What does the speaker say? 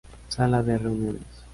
Sala de Reuniones.